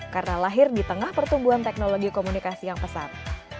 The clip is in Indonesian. karena lahir di tengah pertumbuhan teknologi komunikasi yang pesat